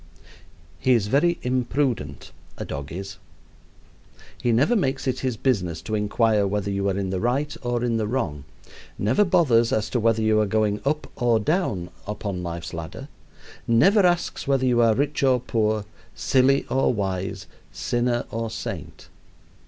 He is very imprudent, a dog is. He never makes it his business to inquire whether you are in the right or in the wrong, never bothers as to whether you are going up or down upon life's ladder, never asks whether you are rich or poor, silly or wise, sinner or saint.